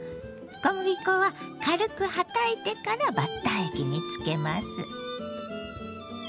小麦粉は軽くはたいてからバッター液につけます。